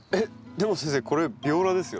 でも先生これビオラですよね？